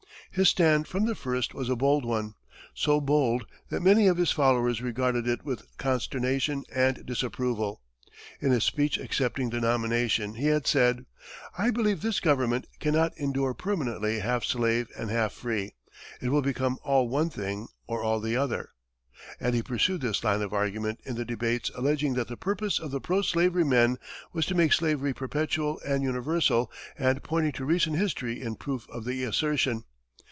His stand from the first was a bold one so bold that many of his followers regarded it with consternation and disapproval. In his speech accepting the nomination, he had said, "I believe this government cannot endure permanently half slave and half free. It will become all one thing or all the other," and he pursued this line of argument in the debates alleging that the purpose of the pro slavery men was to make slavery perpetual and universal, and pointing to recent history in proof of the assertion.